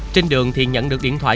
trên đường thì nhận được điện thoại